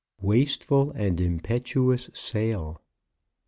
WASTEFUL AND IMPETUOUS SALE.